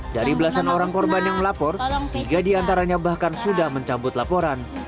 dari belasan orang korban yang melapor tiga diantaranya bahkan sudah mencabut laporan